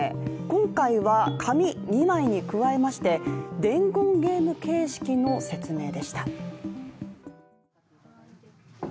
今回は紙２枚に加えまして伝言ゲーム形式の説明でした。